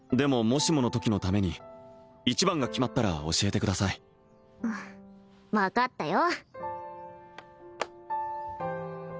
もしものときのために一番が決まったら教えてください分かったよ